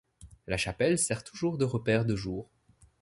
La Chapelle sert toujours de repère de jour.